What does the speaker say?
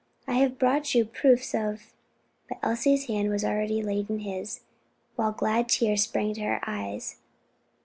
I have brought proofs of " But Elsie's hand was already laid in his, while glad tears sprang to her eyes.